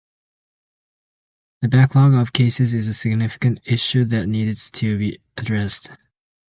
The backlog of cases is a significant issue that needs to be addressed.